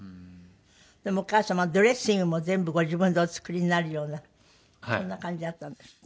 でもお母様はドレッシングも全部ご自分でお作りになるようなそんな感じだったんですって？